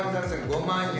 ５万円。